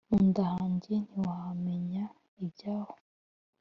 munda hanjye ntiwamenya ibyaho